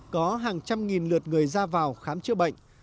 có hàng trăm nghìn lượt người ra vào khám chữa bệnh